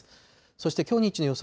そしてきょう日中の予想